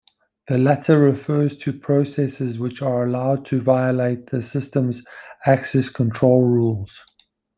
The latter refers to processes which are allowed to violate the system's access-control rules.